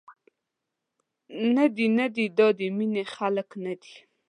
ندي، ندي دا د مینې خلک ندي.